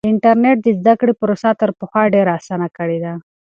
انټرنیټ د زده کړې پروسه تر پخوا ډېره اسانه کړې ده.